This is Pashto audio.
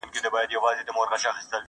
د ده سترګي سولې خلاصې ژوند یې سم سو.!